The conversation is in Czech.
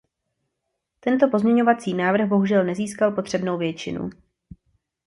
Tento pozměňovací návrh bohužel nezískal potřebnou většinu.